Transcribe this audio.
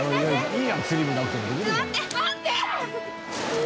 待って待って！